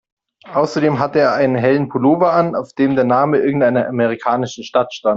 Außerdem hatte er einen hellen Pullover an, auf dem der Name irgendeiner amerikanischen Stadt stand.